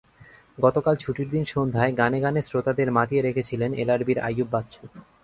গতকাল ছুটির দিন সন্ধ্যায় গানে গানে শ্রোতাদের মাতিয়ে রেখেছিলেন এলআরবির আইয়ুব বাচ্চু।